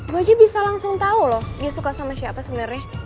gue aja bisa langsung tahu loh dia suka sama siapa sebenarnya